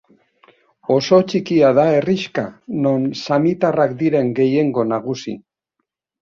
Oso txikia da herrixka, non samitarrak diren gehiengo nagusi.